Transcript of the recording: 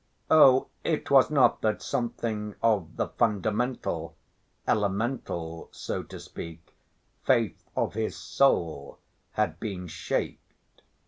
Oh, it was not that something of the fundamental, elemental, so to speak, faith of his soul had been shaken.